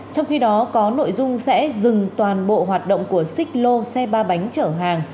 trong khi đó có nội dung sẽ dừng toàn bộ hoạt động của xích lô xe ba bánh chở hàng